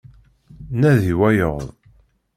Nadi wayeḍ.